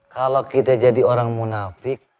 kalau kita jadi orang munafik